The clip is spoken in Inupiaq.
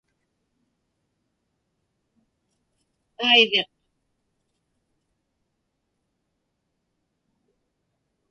aiviq